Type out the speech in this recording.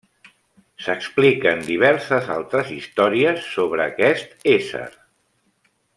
S'expliquen diverses altres històries sobre aquest ésser.